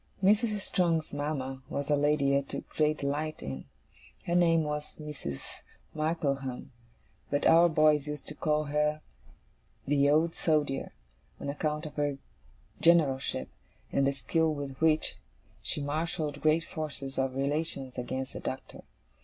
Mrs. Strong's mama was a lady I took great delight in. Her name was Mrs. Markleham; but our boys used to call her the Old Soldier, on account of her generalship, and the skill with which she marshalled great forces of relations against the Doctor.